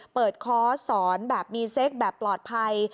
เปิดคอร์สสอนแบบมีเซ็กแบบปลอดภัย